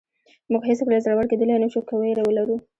موږ هېڅکله زړور کېدلی نه شو که وېره ولرو.